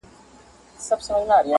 له څپو څخه د امن و بېړۍ ته.!